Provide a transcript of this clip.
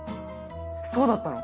そうだったの？